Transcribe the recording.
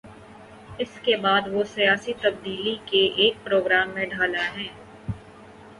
اس کے بعد وہ سیاسی تبدیلی کے ایک پروگرام میں ڈھلا ہے۔